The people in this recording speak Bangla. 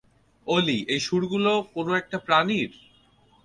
ওলি, এই শুঁড়গুলো কোন একটা প্রাণীর?